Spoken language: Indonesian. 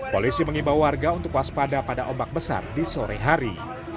polisi mengimbau warga untuk waspada pada ombak besar di sore hari